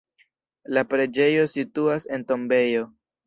La preĝejo situas en tombejo.